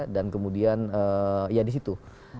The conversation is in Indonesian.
dan kemudian ya di situ